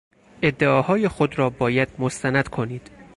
ادعاهای خود را باید مستند کنید.